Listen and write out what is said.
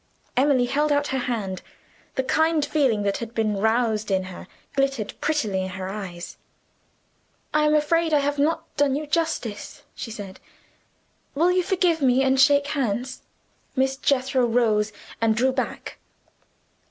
Emily held out her hand; the kind feeling that had been roused in her glittered prettily in her eyes. "I am afraid I have not done you justice," she said. "Will you forgive me and shake hands?" Miss Jethro rose, and drew back.